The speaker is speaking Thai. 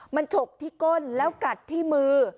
มันฉกที่ก้นแล้วกัดที่มือ